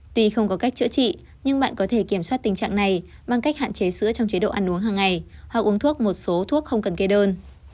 tuy không có cách chữa trị nhưng bạn có thể kiểm soát tình trạng này bằng cách hạn chế sữa trong chế độ ăn uống hằng ngày hoặc uống thuốc một số thuốc không cần kê đơn